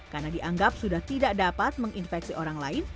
karena dianggap sudah tidak dapat menginfeksi orang lain